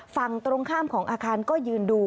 ฝั่งตรงข้ามของอาคารก็ยืนดู